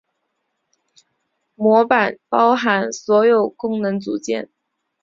模块包含所有功能组件。